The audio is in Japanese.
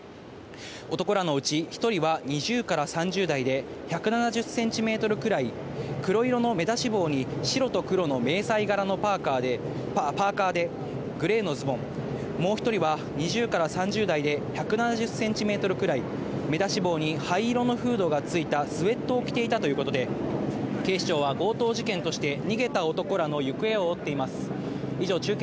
男らのうち１人は２０から３０代で、１７０センチメートルくらい、黒色の目出し帽に白と黒の迷彩柄のパーカーで、グレーのズボン、もう１人は２０から３０代で１７０センチメートルくらい、目出し帽に灰色のフードがついたスエットを着ていたということで、警視庁は強盗事件として逃げた男らの行方を追っています。